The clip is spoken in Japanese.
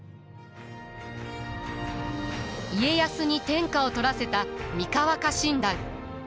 家康に天下を取らせた三河家臣団。